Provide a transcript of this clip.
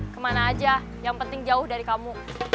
kemana aja yang penting jauh dari kamu